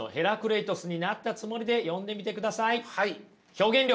表現力。